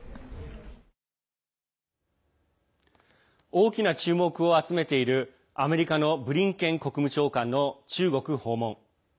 大きな注目を集めているアメリカのブリンケン国務長官の中国訪問。